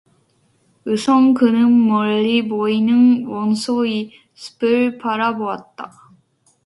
우선 그는 멀리 보이는 원소의 숲을 바라보았다.